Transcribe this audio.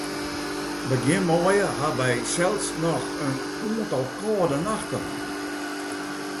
Begjin maaie ha wy sels noch in oantal kâlde nachten hân.